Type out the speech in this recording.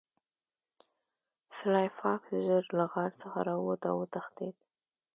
سلای فاکس ژر له غار څخه راووت او وتښتید